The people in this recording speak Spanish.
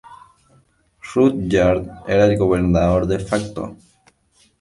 Rudyard era el gobernador de facto.